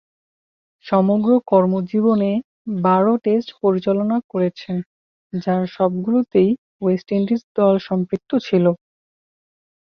সমগ্র কর্মজীবনে বারো টেস্ট পরিচালনা করেছেন, যার সবগুলোতেই ওয়েস্ট ইন্ডিজ দল সম্পৃক্ত ছিল।